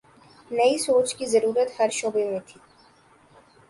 نئی سوچ کی ضرورت ہر شعبے میں تھی۔